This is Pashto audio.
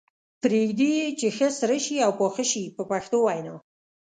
پرېږدي یې چې ښه سره شي او پاخه شي په پښتو وینا.